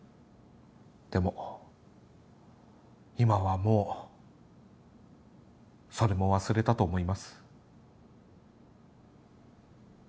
でも今はもうそれも忘れたと思います。